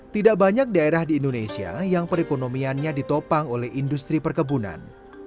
tidak banyak daerah di indonesia yang perekonomiannya ditopang oleh industri perkebunan